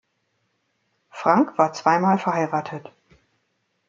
Frank war zweimal verheiratet.